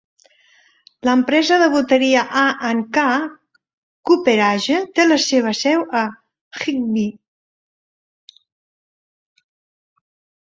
L'empresa de boteria A and K Cooperage té la seva seu a Higbee.